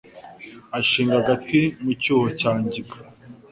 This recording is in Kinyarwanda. Ashinga agati mu cyuho cya Ngiga